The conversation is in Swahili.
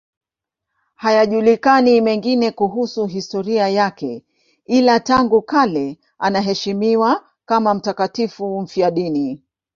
Hayajulikani mengine kuhusu historia yake, ila tangu kale anaheshimiwa kama mtakatifu mfiadini.